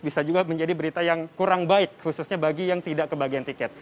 bisa juga menjadi berita yang kurang baik khususnya bagi yang tidak kebagian tiket